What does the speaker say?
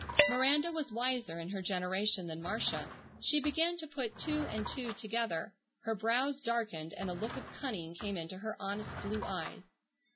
Miranda was wiser in her generation than Marcia. She began to put two and two together. Her brows darkened, and a look of cunning came into her honest blue eyes.